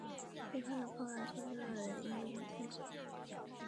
而其中一名调查员就是搜查一课的刑警新田浩介。